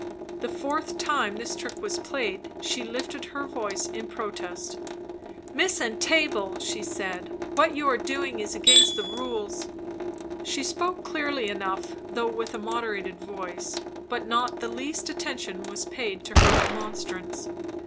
The fourth time this trick was played, she lifted her voice in protest. "Miss Entable," said she, "what you are doing is against the rules." She spoke clearly enough, though with a moderated voice; but not the least attention was paid to her remonstrance.